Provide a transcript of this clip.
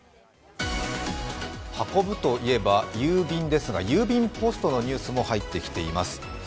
運ぶといえば郵便ですが郵便ポストのニュースも入ってきています。